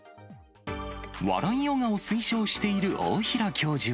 笑いヨガを推奨している大平教授